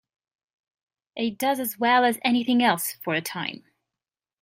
It does as well as anything else, for a time.